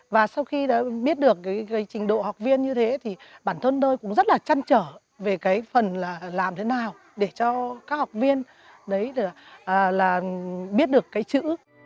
và sau khi biết được trình độ học viên như thế thì bản thân tôi cũng rất là chăn trở về phần làm thế nào để cho các học viên biết được chữ